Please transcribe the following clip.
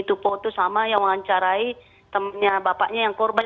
itu foto sama yang wawancarai temannya bapaknya yang korban